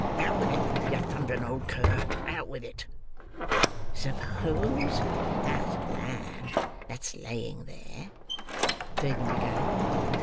Out with it, you thundering old cur, out with it!" "Suppose that lad that's laying there—" Fagin began.